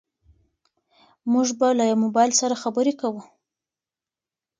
موږ به له موبايل سره خبرې کوو.